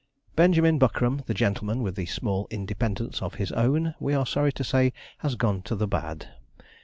Benjamin Buckram, the gentleman with the small independence of his own, we are sorry to say has gone to the 'bad.'